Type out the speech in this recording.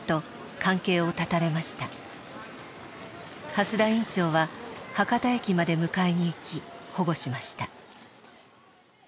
蓮田院長は博多駅まで迎えに行き保護しました。